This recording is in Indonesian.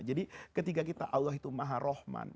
jadi ketiga kita allah itu maha rahman